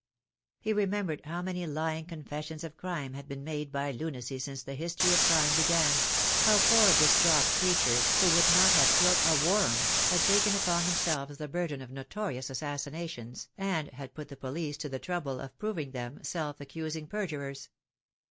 He remembered how many lying confessions of crime had been made by lunacy since the history of crime be gan— how poor distraught creatures who would not have killed a worm had taken upon themselves the burden of notorious assassinations, and had put the police to the trouble of proving them self accusing perjurers.